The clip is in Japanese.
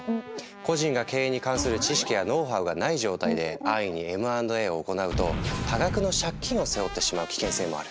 個人が経営に関する知識やノウハウがない状態で安易にＭ＆Ａを行うと多額の借金を背負ってしまう危険性もある。